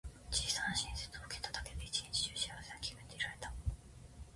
小さな親切を受けただけで、一日中幸せな気分でいられた。